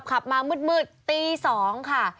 ขับมามืดตี๒ค่ะ